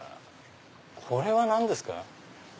これは何ですか？